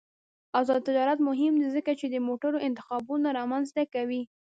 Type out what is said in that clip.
آزاد تجارت مهم دی ځکه چې د موټرو انتخابونه رامنځته کوي.